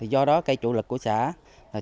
do đó cây chủ lực của xã